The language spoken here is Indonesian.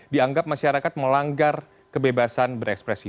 dianggap masyarakat melanggar kebebasan berekspresi